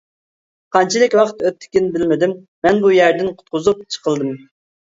قانچىلىك ۋاقىت ئۆتتىكىن، بىلمىدىم، مەن بۇ يەردىن قۇتقۇزۇپ چىقىلدىم.